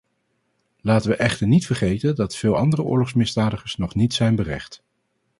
Laten we echter niet vergeten dat veel andere oorlogsmisdadigers nog niet zijn berecht.